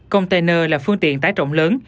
container là phương tiện tái trộm lớn